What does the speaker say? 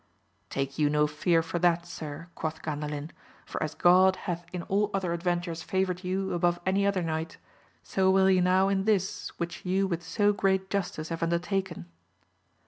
Take you no fear for that, sir, quoth Gandalin, for as God hath in all other adventures favoured you above any other knight, so will he now in this which you with so great justice have undertaken.